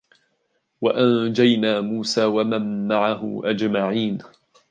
وأنجينا موسى ومن معه أجمعين